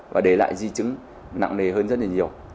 và để lại di chứng nặng nề hơn rất là nhiều